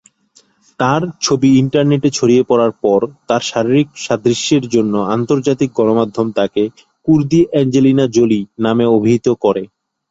তার ছবি ইন্টারনেটে ছড়িয়ে পড়ার পর, তার শারীরিক সাদৃশ্যের জন্য আন্তর্জাতিক গণমাধ্যম তাকে ""কুর্দি অ্যাঞ্জেলিনা জোলি"" নামে অভিহিত করে।